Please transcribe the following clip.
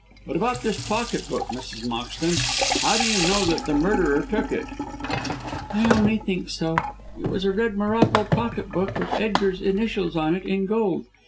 But about this pocket book, Mrs. Moxton. How do you know that the murderer took it?" "I only think so. It was a red Morocco pocket book with Edgar's initials on it in gold.